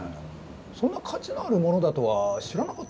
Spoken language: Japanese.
そんな価値のあるものだとは知らなかったんじゃ。